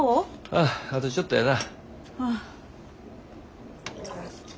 あああとちょっとやな。